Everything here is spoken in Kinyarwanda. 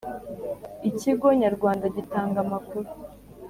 ikigo nyarwanda gitanga amakuru